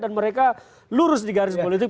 mereka lurus di garis politik